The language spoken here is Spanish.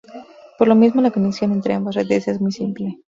Por lo mismo la conexión entre ambas redes es muy simple.